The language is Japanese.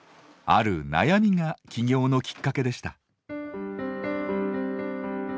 ある悩みが起業のきっかけでした。